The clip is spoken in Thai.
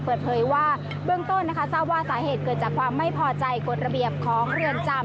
เปิดเผยว่าเบื้องต้นนะคะทราบว่าสาเหตุเกิดจากความไม่พอใจกฎระเบียบของเรือนจำ